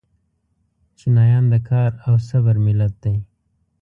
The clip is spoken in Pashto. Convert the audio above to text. چینایان د کار او صبر ملت دی.